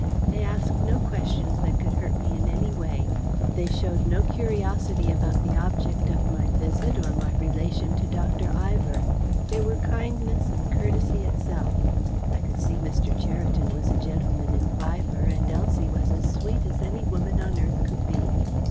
They asked no questions that could hurt me in any way. They showed no curiosity about the object of my visit or my relation to Dr. Ivor. They were kindness and courtesy itself. I could see Mr. Cheriton was a gentleman in fibre, and Elsie was as sweet as any woman on earth could be.